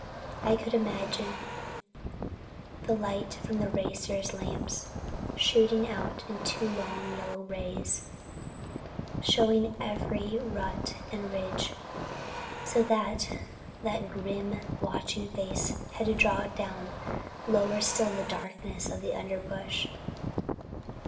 I could imagine the light from the racer's lamps, shooting out in two long yellow rays, showing every rut and ridge, so that that grim watching face had to draw down lower still in the darkness of the underbrush.